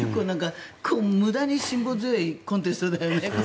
無駄に辛抱強いコンテストだよね。